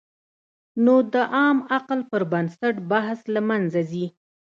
نو د عام عقل پر بنسټ بحث له منځه ځي.